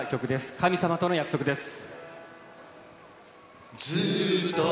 神様との約束です。